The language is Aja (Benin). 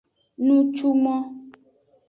Nutume.